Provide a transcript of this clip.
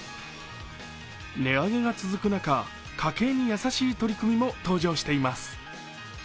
値上げが続く中、家計に優しい取り組みも登場しています。